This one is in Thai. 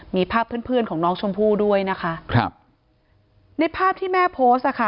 มีภาพเพื่อนเพื่อนของน้องชมพู่ด้วยนะคะครับในภาพที่แม่โพสต์อ่ะค่ะ